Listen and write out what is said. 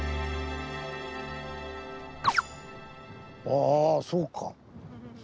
あぁそうか。